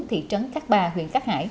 thị trấn khắc bà huyện khắc hải